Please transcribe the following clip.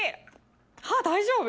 歯大丈夫？